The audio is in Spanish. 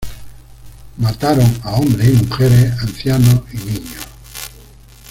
Mataron a hombres y mujeres, ancianos y niños.